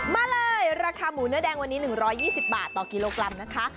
มาเลยราคาหมูเนื้อแดงวันนี้๑๒๐บาทต่อกิโลกรัมนะคะ